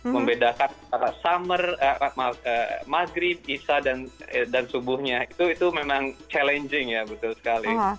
membedakan antara summer maghrib isa dan subuhnya itu memang challenging ya betul sekali